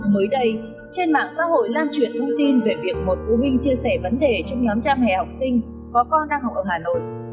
mới đây trên mạng xã hội lan truyền thông tin về việc một phụ huynh chia sẻ vấn đề trong nhóm cha mẹ học sinh có con đang học ở hà nội